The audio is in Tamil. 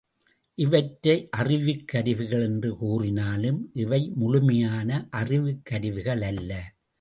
இவற்றை அறிவுக் கருவிகள் என்று கூறினாலும் இவை முழுமையான அறிவுக்கருவிகள் அல்ல.